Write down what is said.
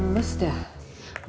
mau pasti masuk angin